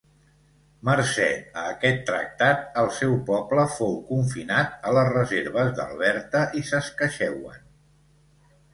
Mercè a aquest tractat el seu poble fou confinat a les reserves d'Alberta i Saskatchewan.